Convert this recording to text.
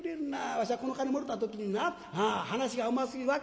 わしはこの紙もろた時にな話がうますぎる言いよった。